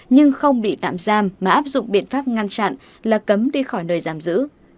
nhưng không bị tạm giam mà áp dụng biện pháp ngăn chặn là cấm đi khỏi nơi giam giữ